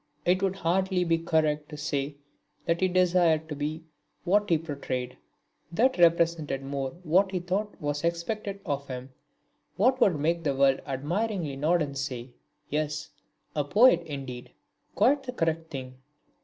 It would hardly be correct to say that he desired to be what he portrayed; that represented more what he thought was expected of him, what would make the world admiringly nod and say: "Yes, a poet indeed, quite the correct thing."